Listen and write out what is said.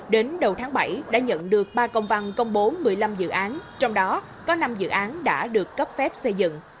đến đầu tháng bảy đã nhận được ba công văn công bố một mươi năm dự án trong đó có năm dự án đã được cấp phép xây dựng